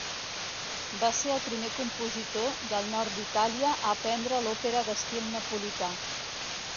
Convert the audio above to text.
Va ser el primer compositor del nord d'Itàlia a aprendre l'òpera d'estil napolità.